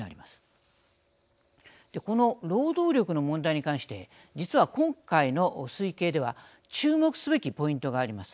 この労働力の問題に関して実は今回の推計では注目すべきポイントがあります。